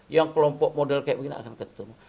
yang kelompok model kayak begini akan ketemu